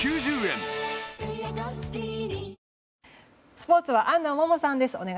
スポーツは安藤萌々さんです。